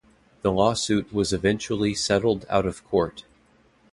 The lawsuit was eventually settled out of court.